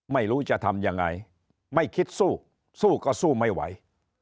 ไม่รู้จะทำยังไงไม่คิดสู้สู้ก็สู้ไม่ไหว